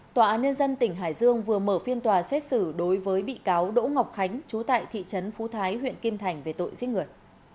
tòa án nhân dân tỉnh hải dương vừa mở phiên tòa xét xử đối với bị cáo đỗ ngọc khánh chú tại thị trấn phú thái huyện kim thành về tội giết người